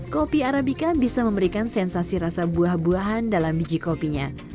kopi arabica bisa memberikan sensasi rasa buah buahan dalam biji kopinya